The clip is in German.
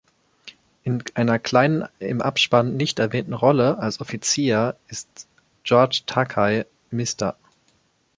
In einer kleinen, im Abspann nicht erwähnten, Rolle als Offizier ist George Takei, "Mr.